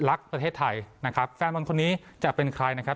รักประเทศไทยนะครับแฟนบอลคนนี้จะเป็นใครนะครับ